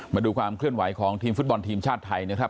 มาดูความเคลื่อนไหวของทีมฟุตบอลทีมชาติไทยนะครับ